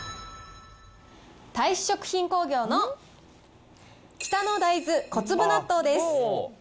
太子食品工業の北の大豆小粒納豆です。